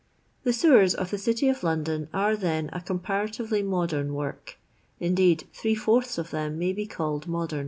The sewers of the city of London are, then, a comparatively modem work. Indeed, three fourths of them may be called modem.